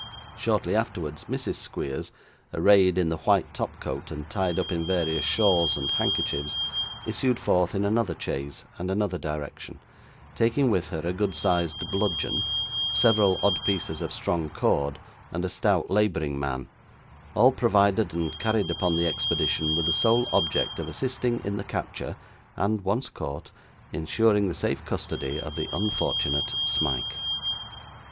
Shortly afterwards, Mrs. Squeers, arrayed in the white top coat, and tied up in various shawls and handkerchiefs, issued forth in another chaise and another direction, taking with her a good sized bludgeon, several odd pieces of strong cord, and a stout labouring man: all provided and carried upon the expedition, with the sole object of assisting in the capture, and (once caught) insuring the safe custody of the unfortunate Smike.